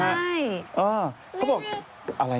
เหมือนไฟไหม้